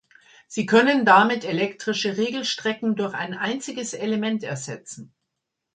Sie können damit elektrische Regelstrecken durch ein einziges Element ersetzen.